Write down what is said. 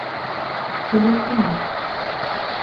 Килешәме?